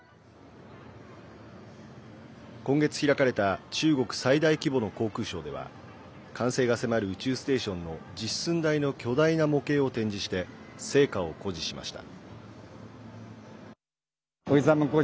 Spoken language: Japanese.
今月開かれた中国最大規模の航空ショーでは完成が迫る宇宙ステーションの実寸大の巨大な模型を展示して成果を誇示しました。